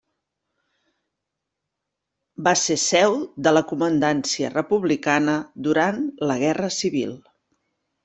Va ser seu de la comandància republicana durant la Guerra Civil.